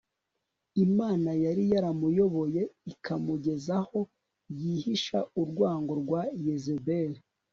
Imana yari yaramuyoboye ikamugeza aho yihisha urwango rwa Yezebeli